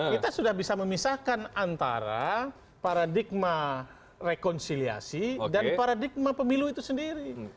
kita sudah bisa memisahkan antara paradigma rekonsiliasi dan paradigma pemilu itu sendiri